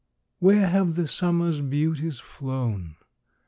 Where have the summer's beauties flown?